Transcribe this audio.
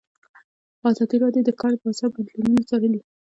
ازادي راډیو د د کار بازار بدلونونه څارلي.